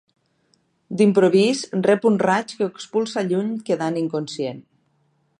D'improvís, rep un raig que ho expulsa lluny quedant inconscient.